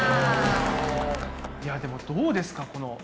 いやでもどうですか？